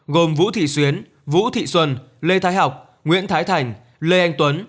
gồm vũ thị xuyến vũ thị xuân lê thái học nguyễn thái thành lê anh tuấn